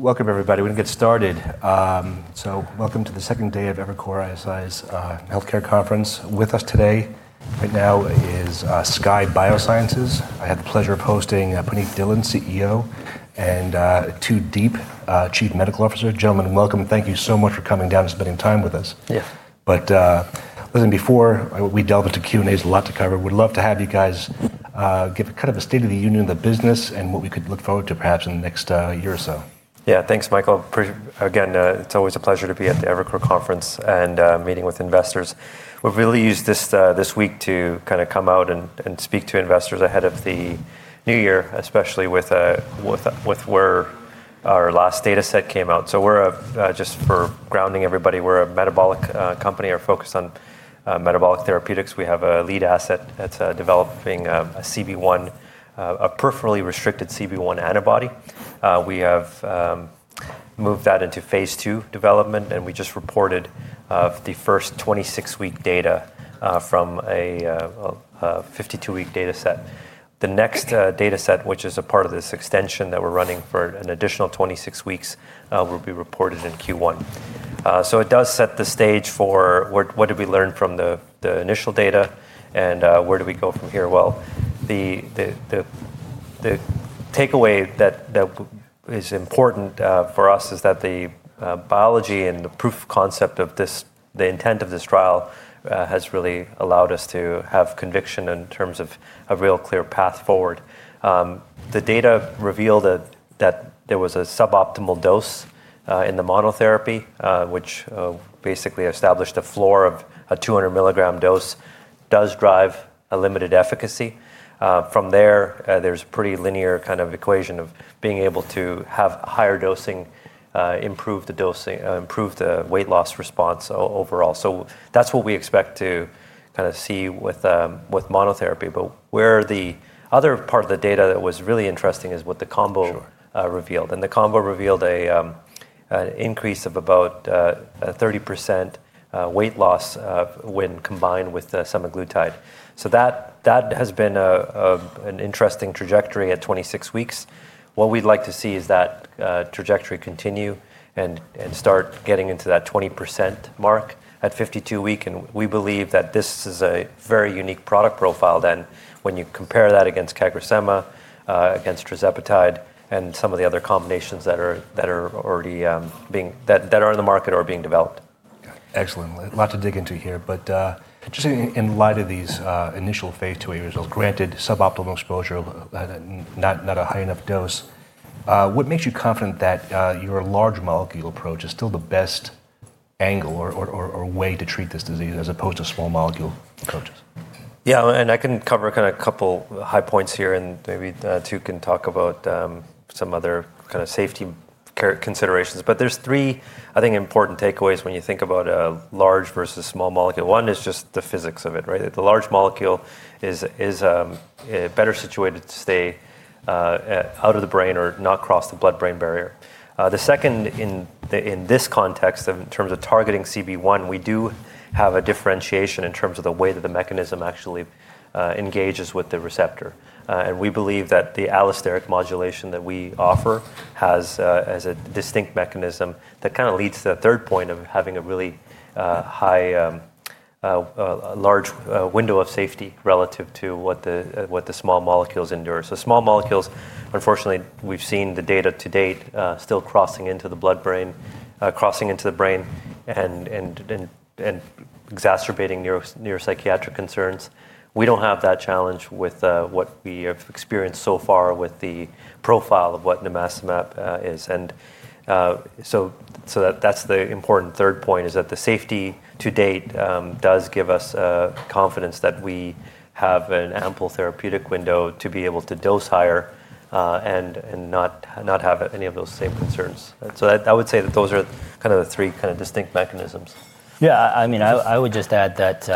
Welcome, everybody. We're going to get started. So welcome to the second day of Evercore ISI's healthcare conference. With us today right now is Skye Biosciences. I had the pleasure of hosting Punit Dhillon, CEO, and Tu Diep, Chief Medical Officer. Gentlemen, welcome. Thank you so much for coming down and spending time with us. Yes. But listen, before we delve into Q&A, there's a lot to cover. We'd love to have you guys give a kind of a state of the union of the business and what we could look forward to, perhaps, in the next year or so. Yeah, thanks, Michael. Again, it's always a pleasure to be at the Evercore conference and meeting with investors. We've really used this week to kind of come out and speak to investors ahead of the new year, especially with where our last data set came out, so just for grounding everybody, we're a metabolic company. We're focused on metabolic therapeutics. We have a lead asset that's developing a CB1, a peripherally restricted CB1 antibody. We have moved that into phase II development, and we just reported the first 26-week data from a 52-week data set. The next data set, which is a part of this extension that we're running for an additional 26 weeks, will be reported in Q1, so it does set the stage for what did we learn from the initial data, and where do we go from here? Well, the takeaway that is important for us is that the biology and the proof of concept of this, the intent of this trial, has really allowed us to have conviction in terms of a real clear path forward. The data revealed that there was a suboptimal dose in the monotherapy, which basically established a floor of a 200-milligram dose does drive a limited efficacy. From there, there's a pretty linear kind of equation of being able to have higher dosing improve the weight loss response overall. So that's what we expect to kind of see with monotherapy. But where the other part of the data that was really interesting is what the combo revealed. And the combo revealed an increase of about 30% weight loss when combined with semaglutide. So that has been an interesting trajectory at 26 weeks. What we'd like to see is that trajectory continue and start getting into that 20% mark at 52 weeks. And we believe that this is a very unique product profile then when you compare that against CagriSema, against Tirzepatide, and some of the other combinations that are already being in the market or being developed. Excellent. A lot to dig into here. But just in light of these initial phase II data, granted suboptimal exposure, not a high enough dose, what makes you confident that your large molecule approach is still the best angle or way to treat this disease as opposed to small molecule approaches? Yeah, and I can cover kind of a couple high points here, and maybe Tu can talk about some other kind of safety considerations. But there's three, I think, important takeaways when you think about a large versus small molecule. One is just the physics of it, right? The large molecule is better situated to stay out of the brain or not cross the blood-brain barrier. The second, in this context, in terms of targeting CB1, we do have a differentiation in terms of the way that the mechanism actually engages with the receptor. And we believe that the allosteric modulation that we offer has a distinct mechanism that kind of leads to the third point of having a really high, large window of safety relative to what the small molecules endure. So small molecules, unfortunately, we've seen the data to date still crossing into the blood-brain, crossing into the brain, and exacerbating neuropsychiatric concerns. We don't have that challenge with what we have experienced so far with the profile of what Nimacimab is. And so that's the important third point, is that the safety to date does give us confidence that we have an ample therapeutic window to be able to dose higher and not have any of those same concerns. So I would say that those are kind of the three kind of distinct mechanisms. Yeah, I mean, I would just add that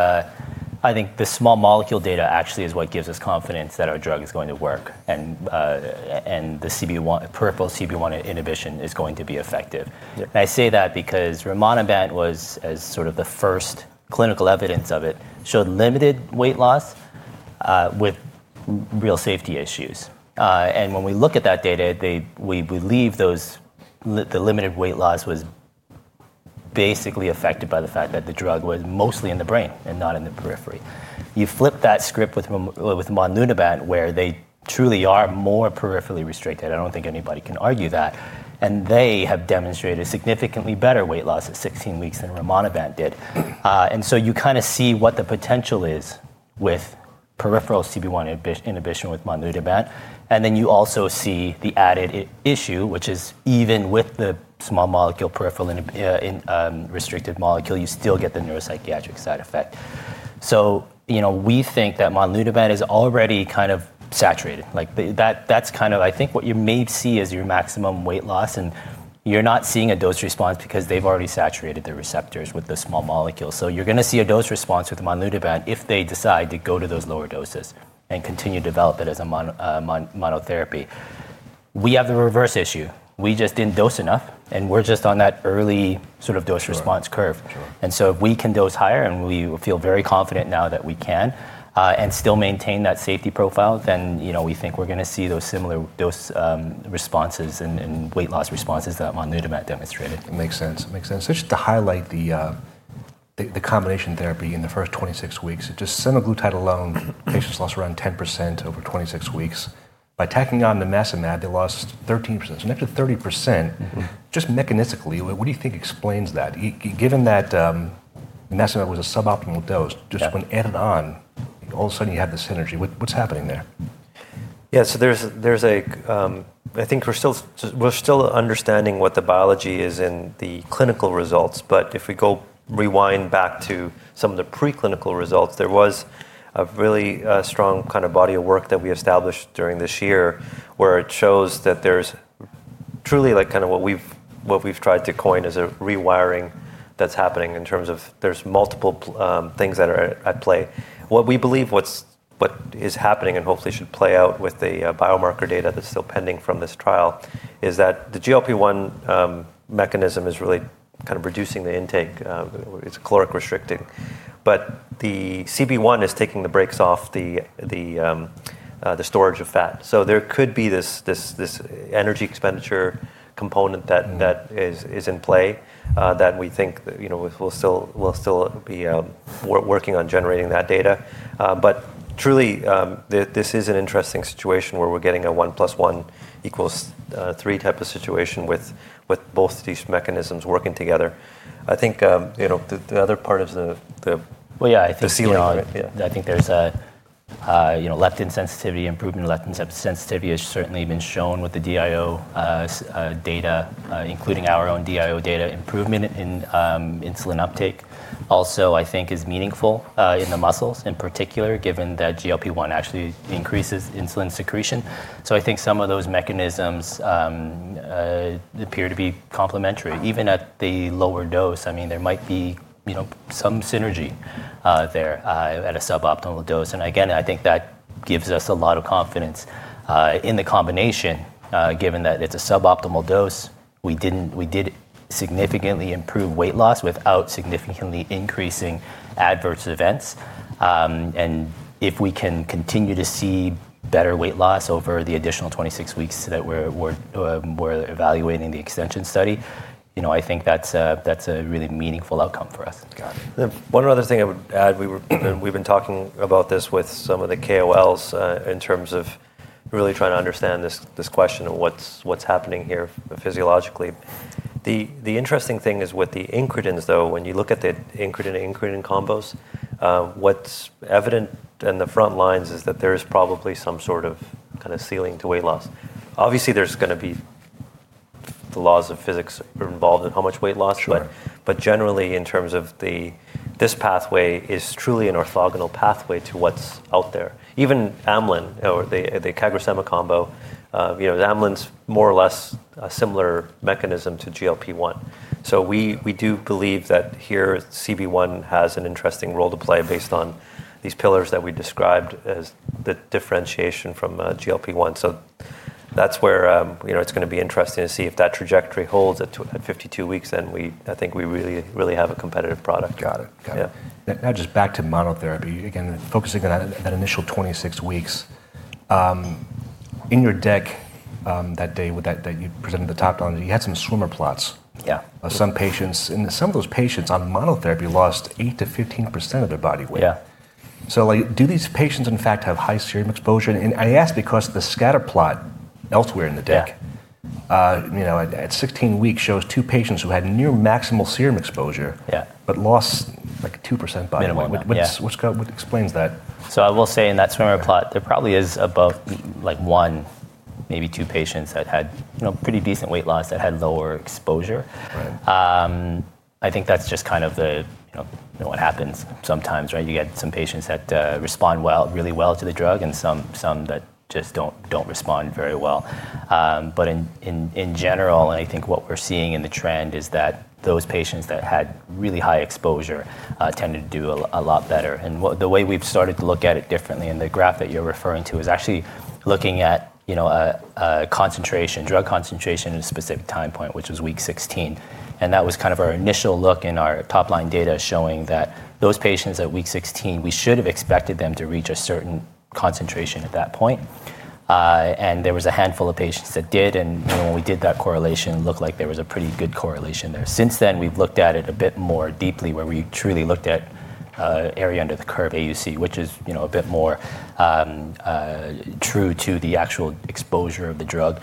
I think the small molecule data actually is what gives us confidence that our drug is going to work, and the peripheral CB1 inhibition is going to be effective. And I say that because Rimonabant was sort of the first clinical evidence of it showed limited weight loss with real safety issues. And when we look at that data, we believe the limited weight loss was basically affected by the fact that the drug was mostly in the brain and not in the periphery. You flip that script with Monlunabant, where they truly are more peripherally restricted. I don't think anybody can argue that. And they have demonstrated significantly better weight loss at 16 weeks than Rimonabant did. And so you kind of see what the potential is with peripheral CB1 inhibition with Monlunabant. And then you also see the added issue, which is even with the small molecule peripheral restricted molecule, you still get the neuropsychiatric side effect. So we think that Monlunabant is already kind of saturated. That's kind of, I think, what you may see as your maximum weight loss. And you're not seeing a dose response because they've already saturated the receptors with the small molecule. So you're going to see a dose response with Monlunabant if they decide to go to those lower doses and continue to develop it as a monotherapy. We have the reverse issue. We just didn't dose enough, and we're just on that early sort of dose response curve. And so if we can dose higher, and we feel very confident now that we can, and still maintain that safety profile, then we think we're going to see those similar dose responses and weight loss responses that Monlunabant demonstrated. Makes sense. Makes sense. So just to highlight the combination therapy in the first 26 weeks, just Semaglutide alone, patients lost around 10% over 26 weeks. By tacking on Nimacimab, they lost 13%. So an extra 30%, just mechanistically, what do you think explains that? Given that Nimacimab was a suboptimal dose, just when added on, all of a sudden you have the synergy. What's happening there? Yeah, so there's a. I think we're still understanding what the biology is in the clinical results. If we go rewind back to some of the preclinical results, there was a really strong kind of body of work that we established during this year, where it shows that there's truly kind of what we've tried to coin as a rewiring that's happening in terms of there's multiple things that are at play. What we believe what is happening, and hopefully should play out with the biomarker data that's still pending from this trial, is that the GLP-1 mechanism is really kind of reducing the intake. It's caloric restricting. The CB1 is taking the brakes off the storage of fat. There could be this energy expenditure component that is in play that we think we'll still be working on generating that data. But truly, this is an interesting situation where we're getting a one plus one equals three type of situation with both these mechanisms working together. I think the other part of the. Yeah, I think there's leptin sensitivity, improvement in leptin sensitivity has certainly been shown with the DIO data, including our own DIO data. Improvement in insulin uptake, also, I think, is meaningful in the muscles, in particular, given that GLP-1 actually increases insulin secretion. So I think some of those mechanisms appear to be complementary. Even at the lower dose, I mean, there might be some synergy there at a suboptimal dose. And again, I think that gives us a lot of confidence in the combination, given that it's a suboptimal dose. We did significantly improve weight loss without significantly increasing adverse events. And if we can continue to see better weight loss over the additional 26 weeks that we're evaluating the extension study, I think that's a really meaningful outcome for us. Got it. One other thing I would add, we've been talking about this with some of the KOLs in terms of really trying to understand this question of what's happening here physiologically. The interesting thing is with the incretins, though, when you look at the incretin-incretin combos, what's evident in the front lines is that there is probably some sort of kind of ceiling to weight loss. Obviously, there's going to be the laws of physics involved in how much weight loss. But generally, in terms of this pathway, it is truly an orthogonal pathway to what's out there. Even amylin, or the CagriSema combo, amylin's more or less a similar mechanism to GLP-1. So we do believe that here, CB1 has an interesting role to play based on these pillars that we described as the differentiation from GLP-1. So that's where it's going to be interesting to see if that trajectory holds at 52 weeks. Then I think we really, really have a competitive product. Got it. Got it. Now, just back to monotherapy. Again, focusing on that initial 26 weeks, in your deck that day that you presented the top down, you had some swimmer plots. Yeah. Some patients, and some of those patients on monotherapy lost 8%-15% of their body weight. Yeah. So do these patients, in fact, have high serum exposure? And I ask because the scatter plot elsewhere in the deck at 16 weeks shows two patients who had near maximal serum exposure but lost like 2% body weight. What explains that? So I will say in that swimmer plot, there probably is about one, maybe two patients that had pretty decent weight loss that had lower exposure. I think that's just kind of what happens sometimes, right? You get some patients that respond really well to the drug and some that just don't respond very well. But in general, and I think what we're seeing in the trend is that those patients that had really high exposure tended to do a lot better. And the way we've started to look at it differently, and the graph that you're referring to is actually looking at drug concentration at a specific time point, which was week 16. And that was kind of our initial look in our top line data showing that those patients at week 16, we should have expected them to reach a certain concentration at that point. There was a handful of patients that did. When we did that correlation, it looked like there was a pretty good correlation there. Since then, we've looked at it a bit more deeply, where we truly looked at area under the curve, AUC, which is a bit more true to the actual exposure of the drug.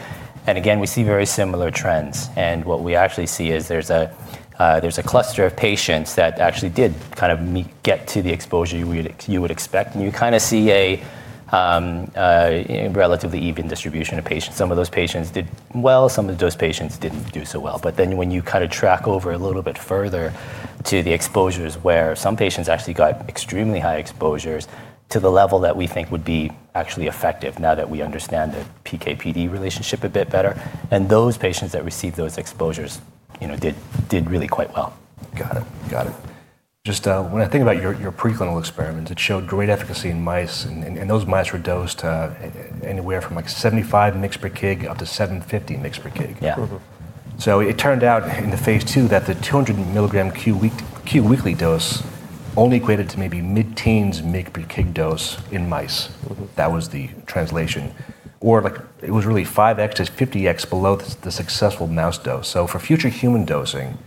Again, we see very similar trends. What we actually see is there's a cluster of patients that actually did kind of get to the exposure you would expect. You kind of see a relatively even distribution of patients. Some of those patients did well. Some of those patients didn't do so well. But then, when you kind of track over a little bit further to the exposures where some patients actually got extremely high exposures to the level that we think would be actually effective, now that we understand the PK/PD relationship a bit better, and those patients that received those exposures did really quite well. Got it. Got it. Just when I think about your preclinical experiments, it showed great efficacy in mice. And those mice were dosed anywhere from like 75 mg/kg up to 750 mg/kg. So it turned out in the phase II that the 200 milligram Q weekly dose only equated to maybe mid-teens mg/kg dose in mice. That was the translation. Or it was really 5x to 50x below the successful mouse dose. So for future human dosing,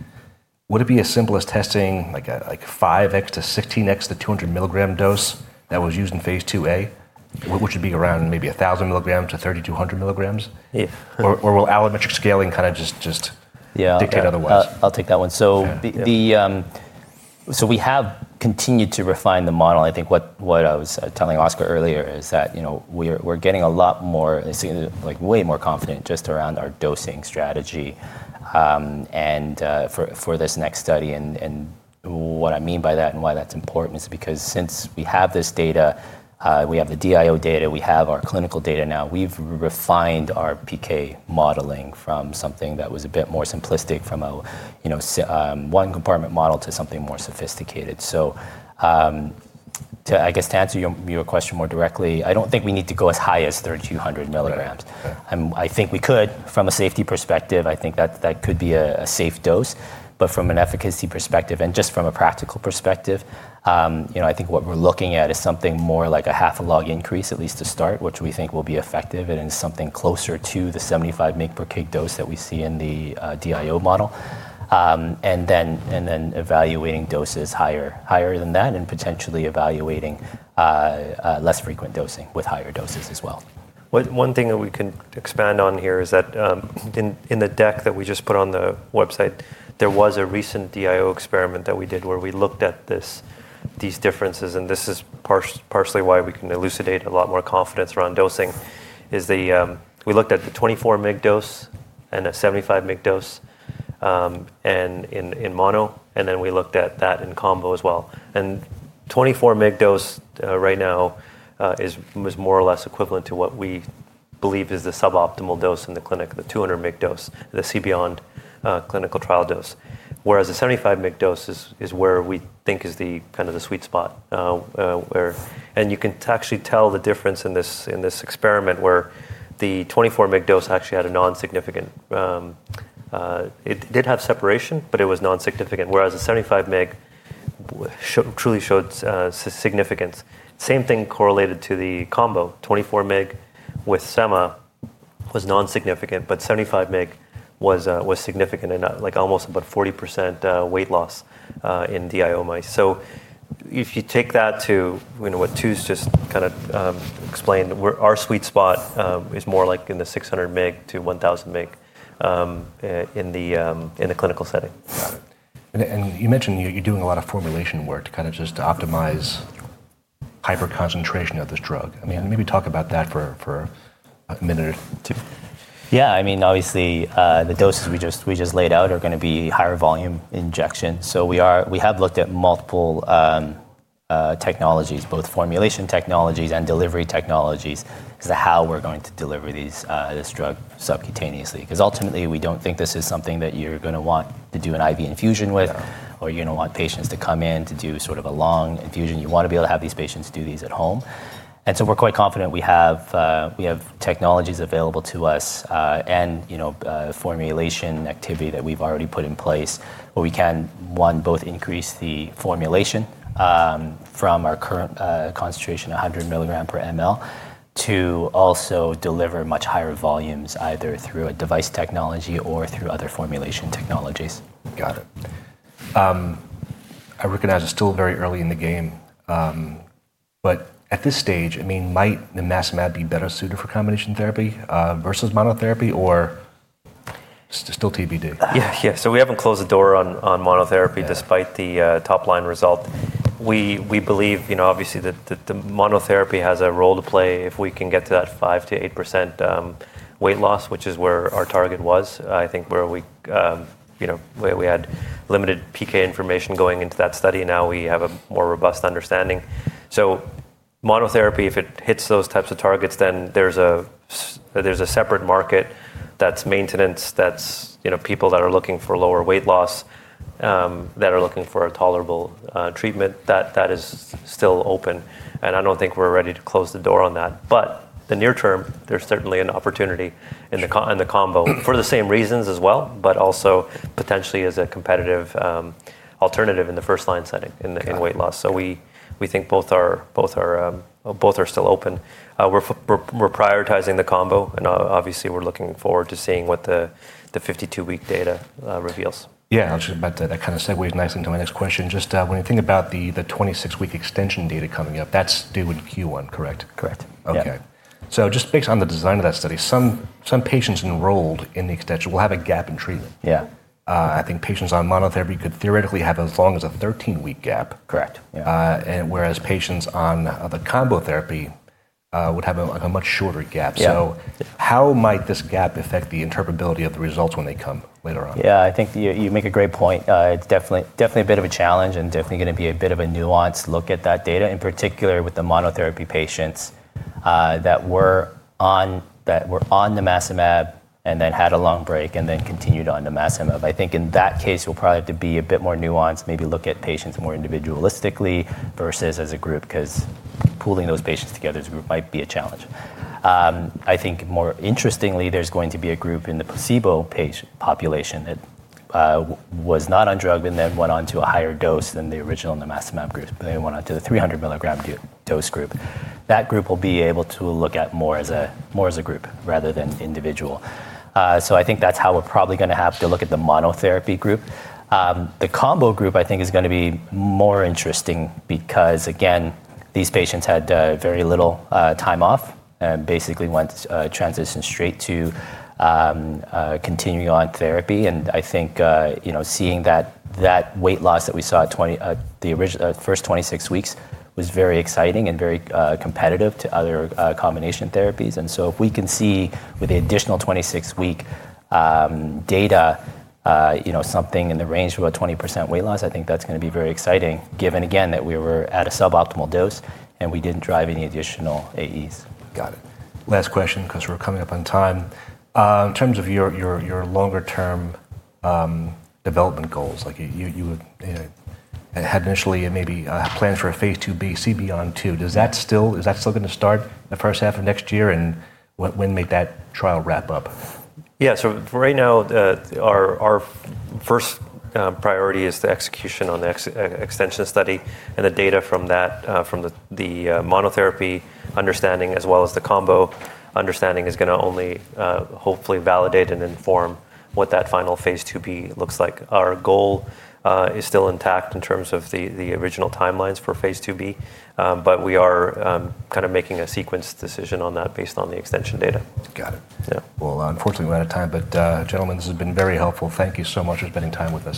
would it be as simple as testing like 5x to 16x the 200 milligram dose that was used in phase IIa, which would be around maybe 1,000 milligrams to 3,200 milligrams? Or will allometric scaling kind of just dictate otherwise? I'll take that one. So we have continued to refine the model. I think what I was telling Oscar earlier is that we're getting a lot more, way more confident just around our dosing strategy for this next study. And what I mean by that and why that's important is because since we have this data, we have the DIO data, we have our clinical data now, we've refined our PK modeling from something that was a bit more simplistic, from a one-compartment model to something more sophisticated. So I guess to answer your question more directly, I don't think we need to go as high as 3,200 milligrams. I think we could, from a safety perspective, I think that could be a safe dose. From an efficacy perspective, and just from a practical perspective, I think what we're looking at is something more like a half-a-log increase, at least to start, which we think will be effective. And it's something closer to the 75 mg per kg dose that we see in the DIO model. And then evaluating doses higher than that, and potentially evaluating less frequent dosing with higher doses as well. One thing that we can expand on here is that in the deck that we just put on the website, there was a recent DIO experiment that we did where we looked at these differences. And this is partially why we can elucidate a lot more confidence around dosing, is we looked at the 24-mg dose and a 75-mg dose in mono. And then we looked at that in combo as well. And 24-mg dose right now is more or less equivalent to what we believe is the suboptimal dose in the clinic, the 200-mg dose, the CBeyond clinical trial dose. Whereas the 75-mg dose is where we think is kind of the sweet spot. And you can actually tell the difference in this experiment, where the 24-mg dose actually had a non-significant. It did have separation, but it was non-significant. Whereas the 75-mg truly showed significance. Same thing correlated to the combo. 24-mg with semi was non-significant, but 75-mg was significant, and almost about 40% weight loss in DIO mice. So if you take that to what Tu's just kind of explained, our sweet spot is more like in the 600-mg to 1,000-mg in the clinical setting. Got it, and you mentioned you're doing a lot of formulation work to kind of just optimize hyperconcentration of this drug. I mean, maybe talk about that for a minute or two. Yeah. I mean, obviously, the doses we just laid out are going to be higher volume injections. So we have looked at multiple technologies, both formulation technologies and delivery technologies, as to how we're going to deliver this drug subcutaneously. Because ultimately, we don't think this is something that you're going to want to do an IV infusion with, or you're going to want patients to come in to do sort of a long infusion. You want to be able to have these patients do these at home. And so we're quite confident we have technologies available to us and formulation activity that we've already put in place, where we can, one, both increase the formulation from our current concentration, 100 milligrams per mL, to also deliver much higher volumes, either through a device technology or through other formulation technologies. Got it. I recognize we're still very early in the game. But at this stage, I mean, might Nimacimab be better suited for combination therapy versus monotherapy, or still TBD? Yeah. Yeah. So we haven't closed the door on monotherapy despite the top line result. We believe, obviously, that the monotherapy has a role to play if we can get to that 5%-8% weight loss, which is where our target was. I think where we had limited PK information going into that study, now we have a more robust understanding. So monotherapy, if it hits those types of targets, then there's a separate market that's maintenance, that's people that are looking for lower weight loss, that are looking for a tolerable treatment. That is still open. And I don't think we're ready to close the door on that. But the near term, there's certainly an opportunity in the combo for the same reasons as well, but also potentially as a competitive alternative in the first-line setting in weight loss. So we think both are still open. We're prioritizing the combo, and obviously, we're looking forward to seeing what the 52-week data reveals. Yeah. I'll just add that kind of segues nicely into my next question. Just when you think about the 26-week extension data coming up, that's due in Q1, correct? Correct. Okay. So just based on the design of that study, some patients enrolled in the extension will have a gap in treatment. Yeah. I think patients on monotherapy could theoretically have as long as a 13-week gap. Correct. Whereas patients on the combo therapy would have a much shorter gap. So how might this gap affect the interpretability of the results when they come later on? Yeah. I think you make a great point. It's definitely a bit of a challenge and definitely going to be a bit of a nuanced look at that data, in particular with the monotherapy patients that were on Nimacimab and then had a long break and then continued on Nimacimab. I think in that case, we'll probably have to be a bit more nuanced, maybe look at patients more individualistically versus as a group, because pooling those patients together as a group might be a challenge. I think more interestingly, there's going to be a group in the placebo population that was not on drug and then went on to a higher dose than the original Nimacimab group, but then went on to the 300 milligram dose group. That group will be able to look at more as a group rather than individual. I think that's how we're probably going to have to look at the monotherapy group. The combo group, I think, is going to be more interesting because, again, these patients had very little time off and basically were transitioned straight to continuing on therapy. I think seeing that weight loss that we saw at the first 26 weeks was very exciting and very competitive to other combination therapies. If we can see with the additional 26-week data something in the range of about 20% weight loss, I think that's going to be very exciting, given, again, that we were at a suboptimal dose and we didn't drive any additional AEs. Got it. Last question because we're coming up on time. In terms of your longer-term development goals, you had initially maybe plans for a phase IIb, CBeyond 2. Is that still going to start the first half of next year? And when might that trial wrap up? Yeah, so right now, our first priority is the execution on the extension study, and the data from the monotherapy understanding as well as the combo understanding is going to only hopefully validate and inform what that final phase IIb looks like. Our goal is still intact in terms of the original timelines for phase IIb, but we are kind of making a sequence decision on that based on the extension data. Got it. Well, unfortunately, we're out of time. But gentlemen, this has been very helpful. Thank you so much for spending time with us.